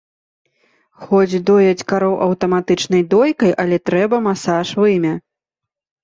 Хоць дояць кароў аўтаматычнай дойкай, але трэба масаж вымя.